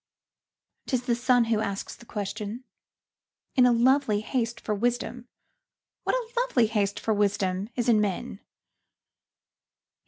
'T is the sun who asks the question, in a lovely haste for wisdom What a lovely haste for wisdom is in men?